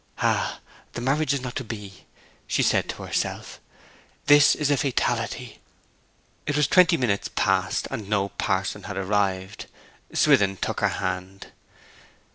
'Ah, the marriage is not to be!' she said to herself. 'This is a fatality.' It was twenty minutes past, and no parson had arrived. Swithin took her hand.